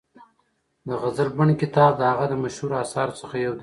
د غزل بڼ کتاب د هغه د مشهورو اثارو څخه یو دی.